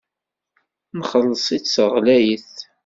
Nxelleṣ-itt ɣlayet.